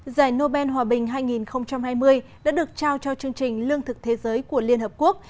giải nobel hòa bình hai nghìn hai mươi đã được trao cho chương trình lương thực thế giới của liên hợp quốc